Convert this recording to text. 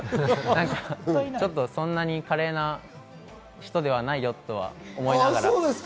そんなに華麗な人ではないよとは思いながら。